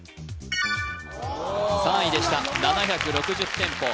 ３位でした７６０店舗